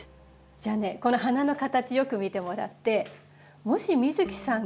じゃあねこの花の形よく見てもらってもし美月さんがね